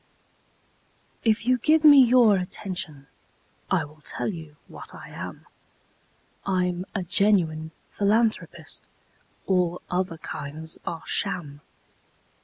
If you give me your attention, I will tell you what I am: I'm a genuine philanthropist all other kinds are sham.